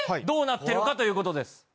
どうなってるか？ということです。